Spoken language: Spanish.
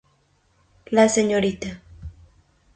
La Srta.